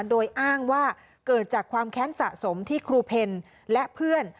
โดยอ้างว่าเกิดจากความแค้นสะสมที่ครูเพลและเพื่อน